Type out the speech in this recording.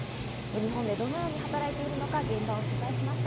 日本でどのように働いているのか、現場で取材しました。